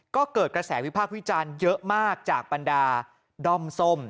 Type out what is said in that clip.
ก็เกิดกระแสวิพากษ์วิจารณ์เยอะมากจากบรรดาด้อมส้ม